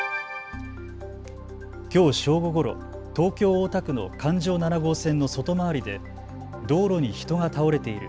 きょう正午ごろ、東京大田区の環状七号線の外回りで道路に人が倒れている。